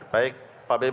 jadi mereka pernah dibilang